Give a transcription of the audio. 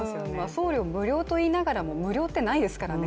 送料無料といいながらも無料ってないですからね。